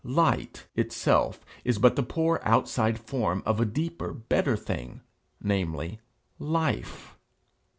Light itself is but the poor outside form of a deeper, better thing, namely, life.